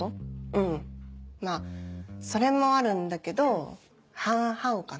うんまぁそれもあるんだけど半々かな？